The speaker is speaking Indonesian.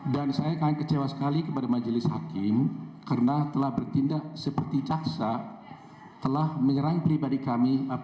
dan saya akan kecewa sekali kepada majelis hakim karena telah bertindak seperti jaksa penuntut umum